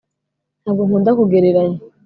Ntabwo nkunda kugereranya